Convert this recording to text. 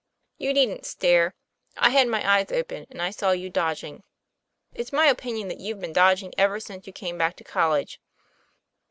You needn't stare; I had my eyes open, and I saw you dodging. It's my opinion that you've been dodg ing ever since you came back to college."